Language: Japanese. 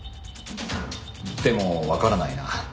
でもわからないな。